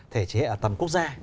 thể chế ở tầm quốc gia